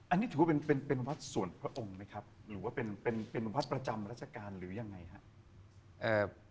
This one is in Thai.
อันนี้ถือว่าเป็นเป็นวัดส่วนพระองค์ไหมครับหรือว่าเป็นเป็นวัดประจำราชการหรือยังไงครับ